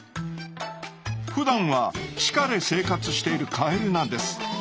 ふだんは地下で生活しているカエルなんです。